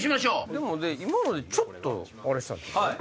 でも今のでちょっとあれしたんじゃない？